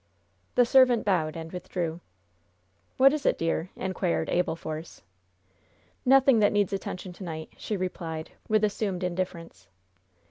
The servant bowed and withdrew. "What is it, dear?" inquired Abel Force. "Nothing that needs attention to night," she replied, with assumed indifference.